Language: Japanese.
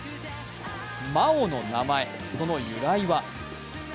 まおの名前、その由来は。